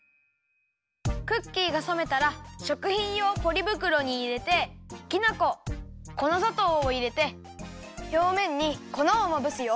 クッキーがさめたらしょくひんようポリぶくろにいれてきな粉粉ざとうをいれてひょうめんに粉をまぶすよ。